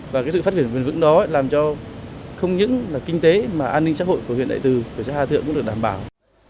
và cái sự phát triển bền vững đó làm cho không những là kinh tế mà an ninh xã hội của huyện đại từ của xã hà thượng cũng được đảm bảo